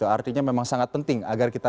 artinya memang sangat penting